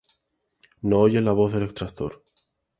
No oyen la voz del exactor.